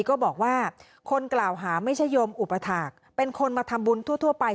ก็บอกว่าคนกล่าวหาไม่ใช่โยมอุปถาคเป็นคนมาทำบุญทั่วไป